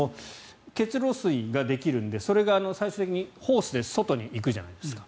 結露水ができるのでそれが最終的にホースで外に行くじゃないですか。